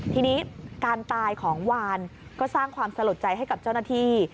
ทีนี้การตายของวานก็สร้างความสลดใจให้กับเจ้าหน้าที่